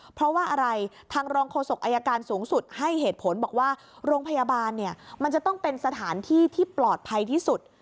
เพราะว่าอะไรทางรองโฆษกอายการสูงสุดให้เหตุผลบอกว่าโรงพยาบาลเนี่ยมันจะต้องเป็นสถานที่ที่ปลอดภัยที่สุด